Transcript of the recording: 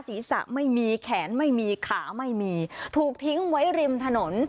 ศีรษะไม่มีแขนไม่มีขาไม่มีถูกทิ้งไว้ริมถนน